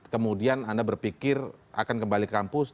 kemudian anda berpikir akan kembali kampus